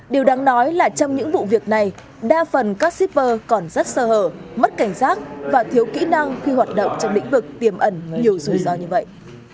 điều đáng nói là trong những vụ việc này đa phần các shipper còn rất sơ hở mất cảnh giác và thiếu kỹ năng khi hoạt động trong lĩnh vực tiềm ẩn nhiều rủi ro như vậy